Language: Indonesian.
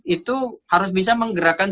itu harus bisa menggerakkan